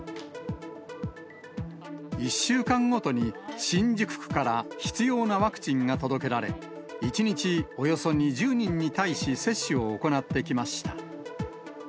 １週間ごとに新宿区から必要なワクチンが届けられ、１日およそ２０人に対し、接種を行ってきました。